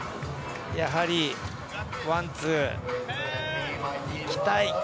やはりワン・ツー、いきたい。